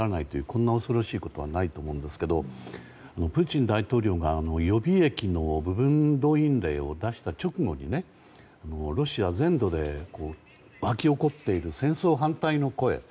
こんな恐ろしいことはないと思うんですがプーチン大統領が予備役の部分動員令を出した直後にロシア全土で沸き起こっている戦争反対の声。